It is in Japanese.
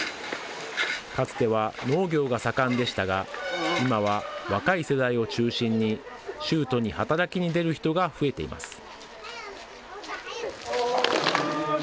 かつては農業が盛んでしたが、今は若い世代を中心に州都に働きに出る人が増えています。